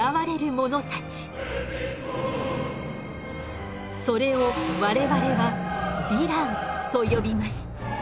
それを我々は「ヴィラン」と呼びます。